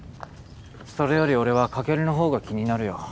それより俺は翔琉の方が気になるよ。